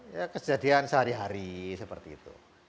ya kejadian sehari hari seperti itu